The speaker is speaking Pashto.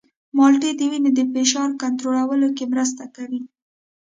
مالټې د وینې د فشار کنټرول کې مرسته کوي.